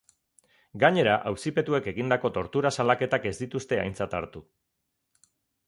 Gainera, auzipetuek egindako tortura salaketak ez dituzte aintzat hartu.